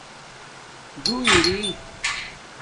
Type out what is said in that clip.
ڎݸ اری